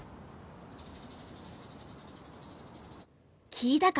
「聴いたか？